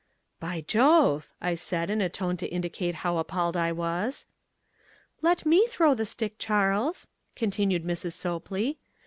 "By jove!" I said in a tone to indicate how appalled I was. "Let me throw the stick, Charles," continued Mrs. Sopley.